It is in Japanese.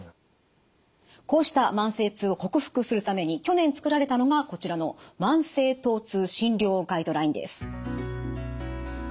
こうした慢性痛を克服するために去年作られたのがこちらの「慢性疼痛診療ガイドライン」です。